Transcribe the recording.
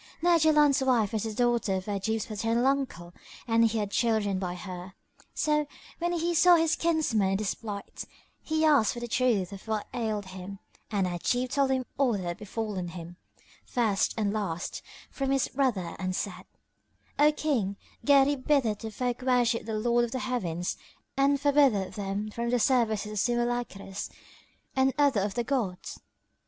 Now Jaland's wife was the daughter of Ajib's paternal uncle and he had children by her; so, when he saw his kinsman in this plight, he asked for the truth of what ailed him and Ajib told him all that had befallen him, first and last, from his brother and said, "O King, Gharib biddeth the folk worship the Lord of the Heavens and forbiddeth them from the service of simulacres and other of the gods."